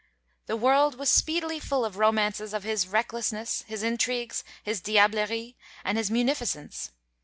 The world was speedily full of romances of his recklessness, his intrigues, his diablerie, and his munificence.